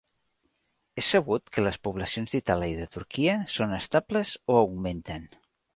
És sabut que les poblacions d'Itàlia i de Turquia són estables o augmenten.